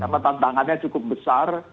karena tantangannya cukup besar